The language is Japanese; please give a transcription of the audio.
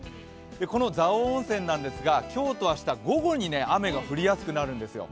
この蔵王温泉なんですが、今日と明日、午後に雨が降りやすくなるんですよ